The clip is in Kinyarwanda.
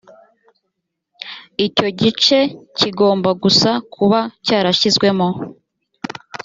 icyo gice kigomba gusa kuba cyarashyizwemo